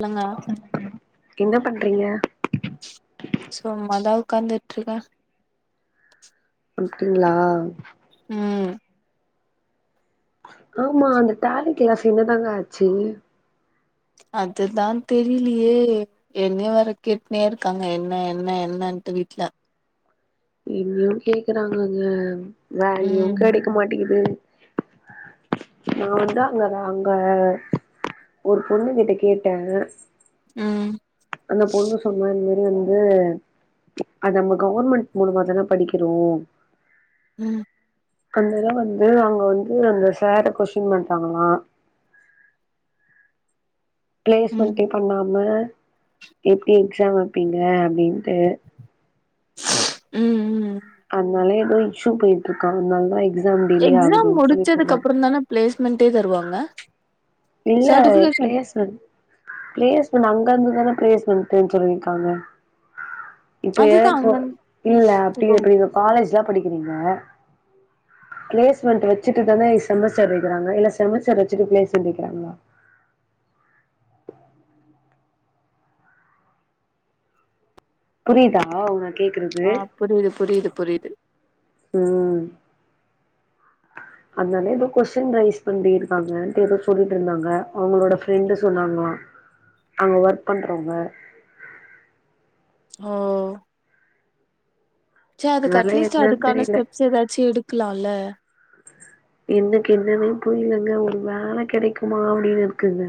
இல்லங்க [unintelligible] என்ன பண்றீங்க சும்மாதா உக்காந்துட்ருக்க அப்டிங்ளா ம் ஆமா அந்த டேலி கிளேஸ்ஸு என்னதாங்க ஆச்சு அதுதா தெரிலியே என்னிய வேற கேட்னே இருக்காங்க என்ன என்ன என்னன்ட்டு வீட்ல இன்னு கேக்கறாங்கங்க வேல்யூம் ம் கெடைக்க மாட்டிங்குது நா வந்து அங்கதா அங்க ஒரு பொண்ணு கிட்ட கேட்ட ம் அந்த பொண்ணு சொன்னா இந்த மார் வந்து அது நம்ம கவுர்மெண்ட் மூலமாதான படிக்கிறோ ம் அந்னால வந்து அவுங்க வந்து அந்த ஷேர கொஷ்டின் பன்றாங்ளா ம் பிளேஸ்மண்ட்டே பண்ணாம எப்டி எக்ஸாம் வப்பீங்க அப்டின்ட்டு ம் ம் அதுனால எதோ இஷ்யூ போயிட்ருக்கா அதனாலதா எக்ஸ் எக்ஸாம் முடுச்சதுக்கு அப்புறோந்தாங்க பிளேஸ் மெண்ட்டே தருவாங்க இல்ல சர்டிபிகேஷன் பிளேஸ்மண்ட் பிளேஸ்மண்ட் அங்க இருந்துதான பிளேஸ்மண்ட்டுன் சொல்லிற்காங்க இப்பயே அதுதா போ அங்கன் இல்ல அப்டி இப்போ எப்டிங்க காலேஜ்லாப் படிக்கிறீங்க பிளேஸ்மெண்ட் வெச்சுட்டு தான செமஸ்டர் வெக்கிறாங்க இல்ல செமஸ்டர் வெச்சுட்டு பிளேஸ் மெண்ட் வெக்கிறாங்களா புரிதா உனக் கேக்குறது ஆ புரியுது புரியுது புரியுது ம் ம் ம் அதனால எதோ கொஷ்டின் ரைஸ் பண்டிருக்கான்ட்டு எதோ சொல்லிட்டு இருந்தாங்க அவங்களோட ஃப்ரெண்டு சொன்னாங்ளா அங்க ஒர்க் பண்றவங்க ஓ சே அதுக்கு அதுனால அட்லீஸ்ட் என்னன் அதுக்கான தெரியல ஸ்டெப்ஸ் ஏதாச்சு எடுக்கலால்ல என்னக்கு என்னன்னே புரியலங்க ஒரு வேல கேடைக்குமா அப்டின்னு இருக்குங்க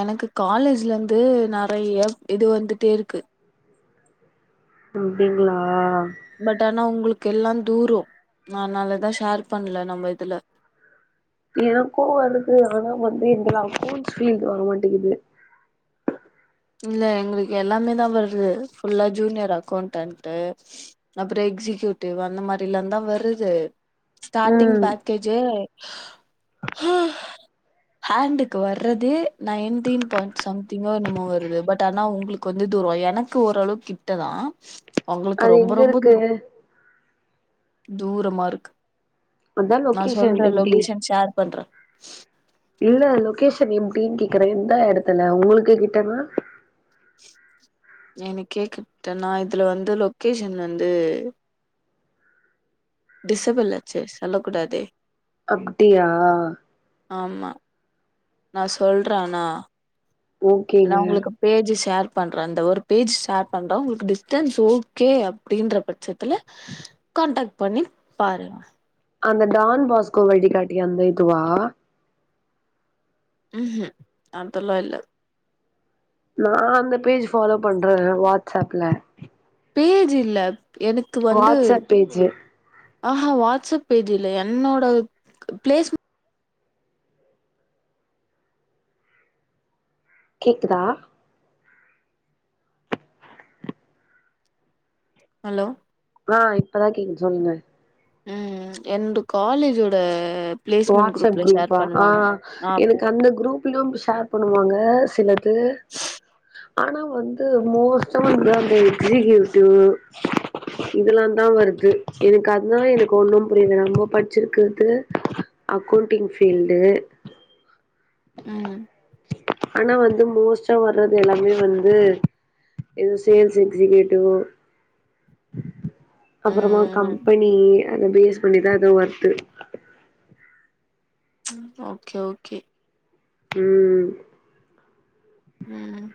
எனக்கு காலேஜ்ல இருந்து நறையா இது வந்துட்டே இருக்கு அப்டிங்களா பட் ஆனா உங்களுக் கெல்லா தூரோ அதனாலதா ஷேர் பண்ணல நம்ம இதுல எனக்கு வருது ஆனா வந்து எங்க அக்கோண்ட்ஸ் ஃபீல்டு வர மாட்டிங்கிது இல்ல எங்களுக்கு எல்லாமேதா வருது ஃபுல்லா ஜூனியர் அக்கோண்டன்ட்டு அப்புறோ எக்ஸிகியூட்டிவ் அந்த மாரிலாந்தா வருது ஸ்டாடிங் ம் பேக்கேஜே ஹேண்டுக்கு வர்றது நைன்டீன் பாய்ண்ட் சம்திங்கோ என்னமோ வரு து பட் ஆனா உங்களுக்கு வந்து தூரோ எனக்கு ஓரளவுக் கிட்டதா உங்களுக்கு அது ரொம்ப எங்க ரொம்ப இருக்கு தூரோ தூரமா இருக்கு அதா நா லொக்கேஷன் சொல்ற எப்டி லொகேஷன் ஷேர் பண்ற இல்ல லொக்கேஷ் த்தன் எப்டின் கேக்குற எந்த எடத்துல உங்களுக்கு கிட்டனா எனக்கேக் கிட்டனா இதுல வந்து லொக்கேஷன் வந்து டிசபுள்ளாச்சேஸ் சொல்ல கூடாதே அப்டியா ஆமா நா சொல்ற ஆனா நா ஓகேங்க உங்களுக்கு பேஜு ஷேர் பண்ற அந்த ஒரு பேஜ் ஷேர் பண்ற உங்களுக்கு டிஸ்டன்ஸ் ஓகே அப்டின்ற பட்சத்துல கான்டேக்ட் பண்ணி பாருங்க அந்த டான் பாஸ்கோ வழிகாட்டி அந்த இதுவா ம்ஹூம் அதெல்லா இல்ல நா அந்த பேஜ் ஃபாலோ பண்ற வாட்ஸ் ஏப்புல பேஜில்ல வாட்ஸ் அப் பேஜு ஆஹா வாட்ஸ் அப் பேஜ் இல்ல என்னோட பிளேஸ் கேக்குதா அலோ ஆ இப்பதா கேக்குது சொல்லுங்க ம் எந்து காலேஜோட பிளேஸ்மெண்ட் வாட்ஸ்அப் குரூப்ல ஷேர் குரூப்பா ஆ பண்ணுவாங்க ஆ எனக்கு அந்த குரூப்லயு ஷேர் பண்ணுவாங்க சிலது ஆனா வந்து மோஸ்ட வந்து அந்த [inaudible] இதெல்லா தா வருது எனக்கு அதுதா எனக்கு ஒண்ணு புரியல நம்ம படிச்சிருக்கிறது அக்கவுண்டிங் ஃபீல்டு ம் ஆனா வந்து மோஸ்டா வர்றது எல்லாமே வந்து ஏதோ சேல்ஸ் எக்ஸிகூட்டிவ் அப்புறமா ம் கம்பெனி அத பேஸ் பண்ணிதா ஏதோ ஒத்து ஓகே ஓகே ம் ம்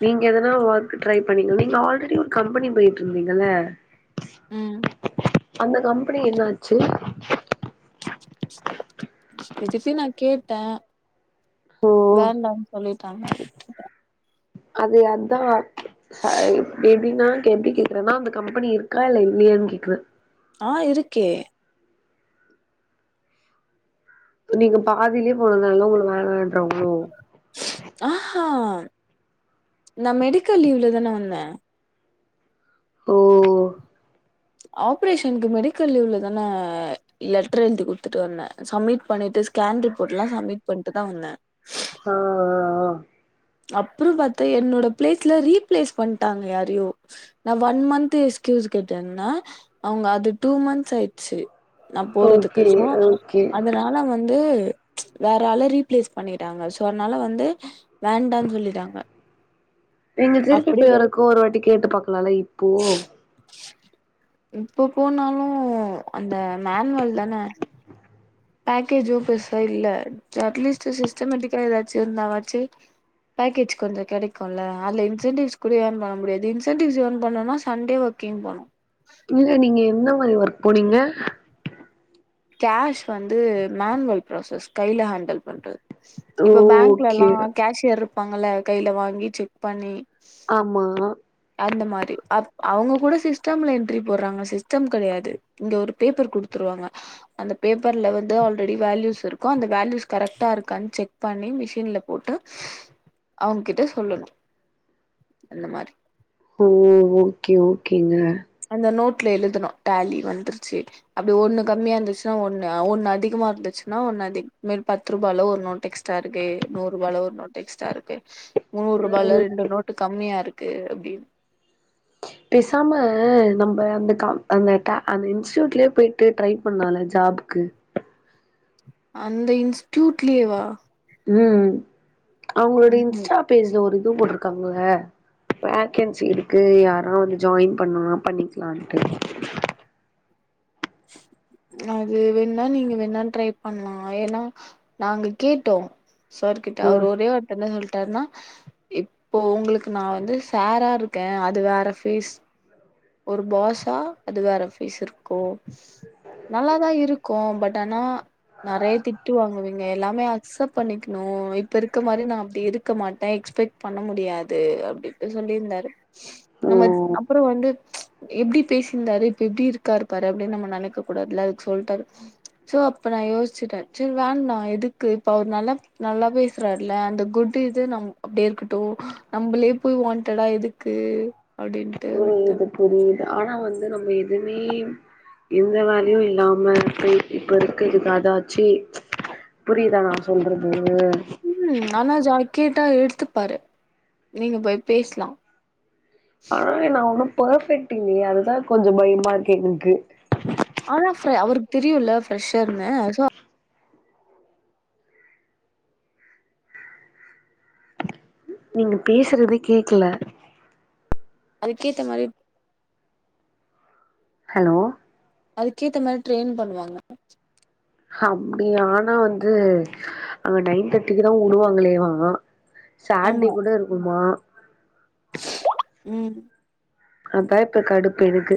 நீங்க எதனா ஒர்க்கு ட்ரை பண்னிங்க நீங்க ஆல்ரெடி ஒரு கம்பெனி போயிட்டு இருந்தீங்கல்ல ம் அந்த கம்பெனி என்னாச்சி [unintelligible] நா கேட்ட ஓ வேண்டா சொல்லிட்டாங்க அதுகிட்ட அது அதா சேரி பேபினா [inaudible] எப்படி கேட்கிறேனா அந்த கம்பெனி இருக்கா இல்ல இல்லையான்னு கேக்குற ஆ இருக்கே நீங்க பாதிலியே போனதுனால உங்களுக்கு வேனா [unintelligible] ஆ நா மெடிக்கல் லீவ்ல தானே வந்தே ஓ ஆப்ரேஷனுக்கு மெடிக்கல் லீவ்லதான லெட்டர் எழுதி கொடுத்துட்டு வந்தே சம்மிட் பண்ணிட்டு ஸ்கேன் ரிப்போர்ட் எல்லா சம்மிட் பண்ணிட்டு தா வந்தே ஆ ஆ ஆ அப்பறம் பாத்தா என்னோட பிளேஸ்ல ரீப்ளேஸ் பண்ணிட்டாங்க யாரையோ நா ஒன் மந்த்த் எக்ஸ்கயூஸ் கேட்டனா அவங்க அது டூ மந்த்ஸ் ஆகிடுச்சு நா போறதுக்கு ஓகே சோ ஓகே அதனால வந் வந்து வேற ஆள ரீப்ளேஸ் பண்ணிட்டாங்க சோ அதனால வந்து வேண்டான்னு சொல்லிட்டாங்க எங்க திருப்பி போய் அப்படிதா எதுக்கோ ஒரு வாட்டி கேட்டு பாக்கலாம்ல இப்போ இப்போ போனாலு அந்த மேன்வல் தானே பேக்கேஜம் பெருசா இல்ல அட்லீஸ் சிஸ்டமெட்டிக்கா ஏதாச்சு இருந்தாச்சு பேக்கேஜ் கொஞ்சோ கிடைக்கும்ல அதுல இன்சென்டிவ்ஸ் கூட ஏர்ன் பண்ண முடியாது இன்சென்டிவ்ஸ் ஏன் பண்ணும்னா சண்டே ஒர்கிங் போனோ இல்ல நீங்க எந்த மாரி ஒர்க் போனீங்க கேஷ் வந்து மேன்வல் ப்ராசஸ் கையில ஹேண்டல் பண்றது ஓ இப்ப பேங்க்ல ஓகே எல்லா கேஷியர் இரு வப்பாங்கள கையில வாங்கி செக் பண்ணி ஆமா அந்த மாதிரி அப் அவுங்க கூட சிஸ்டம்ல என்ட்ரி போடுறாங்க சிஸ்டம் கெடையாது இங்கே ஒரு பேப்பர் கொடுத்துருவாங்க அந்த பேப்பர்ல வந்து ஆல்ரெடி வேல்யூஸ் இருக்கும் அந்த வேல்யூஸ் கரெக்டா இருக்கான்னு செக் பண்ணி மிஷின்ல போட்டு அவுங்க கிட்ட சொல்லனும் அந்த மாதிரி ஓ ஓகே ஓகேங்க இந்த நோட்ல எழுதனும் டேலி வந்துருச்சு அப்படி ஒன்னு கம்மியா இருந்துச்சுன்னா ஒன்னு ஒன்னு அதிகமா இருந்துச்சுன்னா ஒன்னு அதிக பத்து ரூபால ஒரு நோட் எக்ஸ்டா இருக்கு நூறு ரூபால ஒரு நோட் எக்ஸ்டா இருக்கு நூறுரூபால ம் ரெண்டு நோட்டு கம்மியா இருக் கு அப்டின்னு பேசாம நம்ம அந்த அந்த அந்த இன்ஸ்டூட்லே போயிட்டு ட்ரை பண்ணால ஜாப்க்கு அந்த இன்ஸ்டூட்லேவா ம் அவுங்களோட ம்ஹூம் இன்ஸ்டா பேஜ்ல ஒரு பூ போட்ருக்காங்கள வேகன்சி இருக்கு யாரா வந்து ஜாயின் பண்ணுமா பண்ணிக்கலான்ட்டு அது வேணா நீங்க வேணா ட்ரை பண்ணலா ஏன்னா நாங்க கேட்டோம் சார் கிட்ட அவரு ம் ஒரே வேகன்ட் தான் இருக் டர்னா இப்போ உங்களுக்கு நான் வந்து சாரா இருக்கேன் அது வேற ஃபேஸ் ஒரு பாஸா அது வேற ஃபேஸ் இருக்கும் நல்லதான் இருக்கும் பட் ஆனா நறைய திட்டு வாங்குவீங்க எல்லாமே அக்சப்ட் பண்ணிக்கணும் இப்ப இருக்க மாரி நான் அப்டி இருக்க மாட்டேன் எக்ஸ்பெக்ட் பண்ண முடியாது அப்டி இப்டி சொல்லிந்தாரு ஓ நம்ம அப்றோம் வந்து எப்டி பேசிந்தாரு இப்ப எப்டி இருக்காரு பாரு அப்டின் நம்ம நெனைக்க கூடாதுல்ல அதுக்கு சொல்டாரு சோ அப்ப நா யோசிச்சுட்டேன் சேர் வேண்டா எதுக்கு இப்ப அவுரு நல்லா நல்லா பேசுறாருல அந்த குட்டு இது நம் அப்டே இருக்கட்டும் நம்பளே போய் வான்டெட்டா எதுக்கு அப்டின்ட்டு விட் புரியுது புரியுது ஆனா வந்து நம்ப எதுமே எந்த வேலயும் இல்லாம இப்ப இருக்க அதாச்சி புரிதா நா சொல்றது ம் அனா ஜாய் கேட்டா எடுத்துப்பாரு நீங்க போய் பேஸ்லாம் ஆ யே நா ஒன்னும் பர்ஃபெக்ட் இல்லயே அதுதான் கொஞ்சம் பயமா இருக்கு எனக்கு ஆனா ஃப்ர அவருக்கு தெரியும்ல ப்ரெஷர்ன்னு நீங்க பேசுறதே கேக்கல அதுக்கேத்த மாரி ஹலோ அதுக்கேத்த மாரி ட்ரெயின் பண்ணுவாங்க அப்டியா ஆனா வந்து அங்க நைன் தர்ட்டிக்கு தான் உடுவாங்களே வா சார்ட்டே ஆமா. கூட இருக்குமா ம் அதான் இப்ப கடுப்பு எனக்கு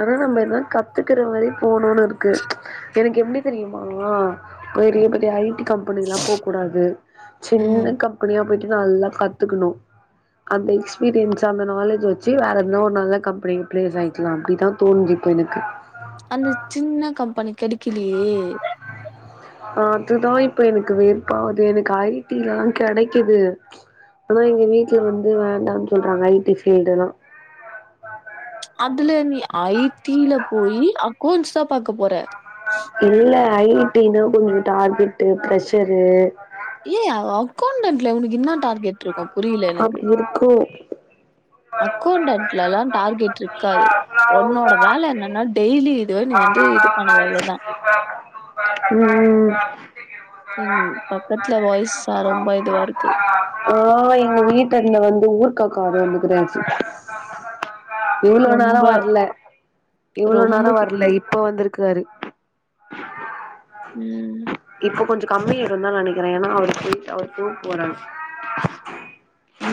ஆனா நம்ப இத கத்துக்கற மாரி போனும்ன்னு இருக்கு எனக்கு எப்டி தெரியுமா பெரிய பெரிய ஐ டி கம்பெனிலா போகூடாது ம். சின்ன கம்பெனியா போய் நல்லா கத்துக்கணும் அந்த எக்ஸ்பீரியன்ஸ் அந்த நாலேஜ் வச்சு வேற எதுனா ஒன்னு நல்ல கம்பெனி பிளேஸ் ஆய்க்கலாம் அப்டி த்தா தோணுது இப்ப எனக்கு பண்ணிகடி ஆம் இதுதா இப்ப எனக்கு வெறுப்பாவுது எனக்கு ஐ டில்லா கெடைக்குது ஆனா எங்க வீட்ல வந்து வேண்டான் சொல்றாங்க ஐ டி ஃபீல்டுல்லா அதுல நீ ஐ டில போயி அக்கோண்ஸ்தா பாக்க போற இல்ல ஐ டினா கொஞ்சோ டார்கெட்டு பிரெஷரு ஏ அவோ அக்கோண்டன்ட்ல உனக்கு கென்னான் டார்கெட் இருக்கு புரில எனக்கு அப்டி இருக்கு அக்கோண்டன்ட் ட்லல்லா டார்கெட் ட்ருக்காது உன்னோட வேல என்னன்னா டெய்லி இதுவே நீ வந்து இது பண்ணுவ அவ்ளோதா ம் ம் பக்கத்துல வாய்ஸா ரொம்ப இதுவா இருக்கு. ஆ எங்க வீட்டான்ட வந்து ஊர் [unintelligible] இவ்ளோ நேரோ ரொம்ப வரல் இவ்ளோ ரொம்ப நேரோ வர்ல கேக்குது இப்போ வந்துருக் கரு ம் இப்போ கொஞ்சோ கம்மயாயிருந்தா நெனைக்கிற ஏன்னா அவுருக்கு அவுருக்கு [unintelligible] போறாரு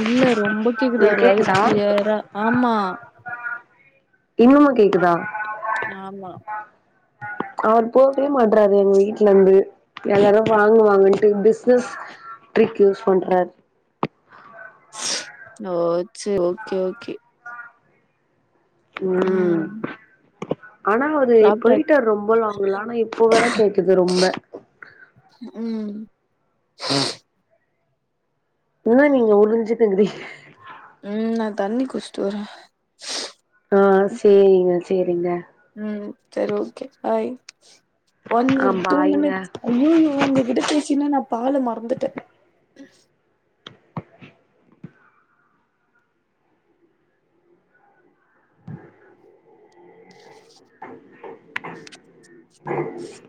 இல்ல ரொம்ப கேக்குது அவரு உங்களுக் வாய்ஸ் கேக்குதா கிளியரா ஆமா இன்னமு கேக்குதா ஆமா அவர் போகவே மாட் டேன்றாரு எங்க வீட்ல இருந்து எல்லாரு வாங்க வாங்கன்ட்டு பிஸ்னஸ் டிரிக் யூஸ் பண்றாரு ஓ சே ஓகே ஓகே ம் ஆனா அவரு சாப்ட்டாச்சு போயிட்டார் ரொம்ப லாங்குல ஆனா இப்போ வேற கேக்குது ரொம்ப [inaudible] என்ன நீங்க உரிஞ்சுட்டுருக்குறீங் ம் நா தண்ணி குடுச்சுட்டு வர்ற ஆ சேரிங்க சேரிங்க ம் சேரி ஓகே பாய் ஒன் ஆ ஒரு டூ பாய்ங்க மினிட்ஸீ ஐயையோ உங்ககிட்ட பேசின நா பாலு மறந்துட்ட [inaudible]